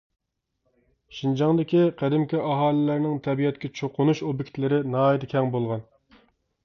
شىنجاڭدىكى قەدىمكى ئاھالىلەرنىڭ تەبىئەتكە چوقۇنۇش ئوبيېكتلىرى ناھايىتى كەڭ بولغان.